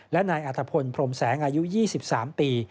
และนายอัตภพลพรมแสงอายุ๒๓ปี